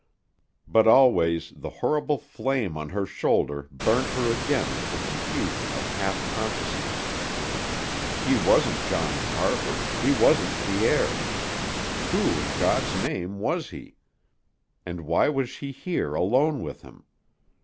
But always the horrible flame on her shoulder burnt her again to the confusion of half consciousness. He wasn't John Carver, he wasn't Pierre. Who, in God's name, was he? And why was she here alone with him?